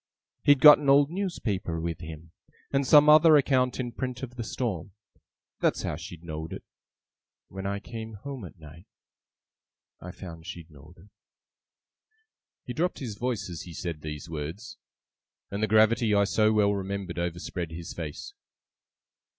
He'd got an old newspaper with him, and some other account in print of the storm. That's how she know'd it. When I came home at night, I found she know'd it.' He dropped his voice as he said these words, and the gravity I so well remembered overspread his face.